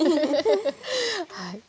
はい。